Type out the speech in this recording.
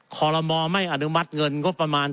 คอลโลมอไม่อนุมัติเงินงบประมาณ